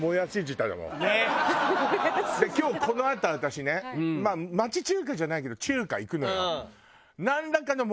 今日このあと私ねまあ町中華じゃないけど中華行くのよ。